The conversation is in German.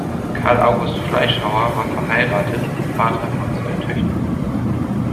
Carl-August Fleischhauer war verheiratet und Vater von zwei Töchtern.